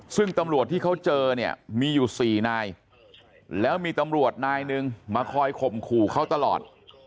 ซึ่งตำรวจที่เขาเจอเนี่ยมีอยู่๔นายแล้วมีตำรวจนายหนึ่งมาคอยข่มขู่เขาตลอด